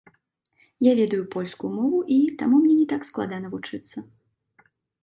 Я ведаю польскую мову і таму мне не так складана вучыцца.